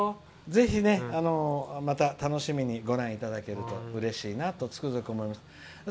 ぜひ楽しみにご覧いただけるとうれしいなとつくづく思いました。